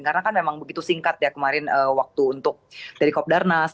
karena kan memang begitu singkat ya kemarin waktu untuk dari kopdarnas